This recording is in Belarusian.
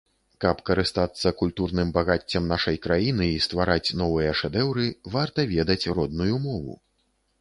Каб карыстацца культурным багаццем нашай краіны і ствараць новыя шэдэўры, варта ведаць родную мову.